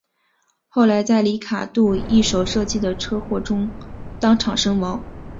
后来在里卡度一手设计的车祸中当场身亡。